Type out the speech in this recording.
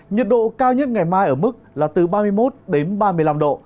nhiệt độ cao nhất ngày mai ở mức là từ ba mươi một đến ba mươi năm độ